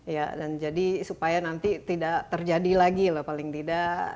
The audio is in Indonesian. ya dan jadi supaya nanti tidak terjadi lagi loh paling tidak